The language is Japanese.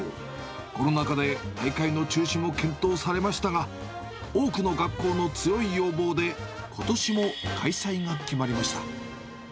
コロナ禍で、大会の中止も検討されましたが、多くの学校の強い要望でことしも開催が決まりました。